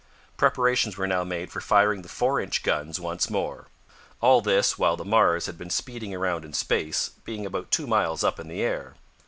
Preparations were now made for firing the four inch guns once more. All this while the Mars had been speeding around in space, being about two miles up in the air.